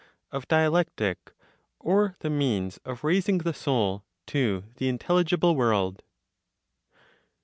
Of Dialectic, or the Means of Raising the Soul to the Intelligible World.